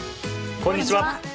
こんにちは。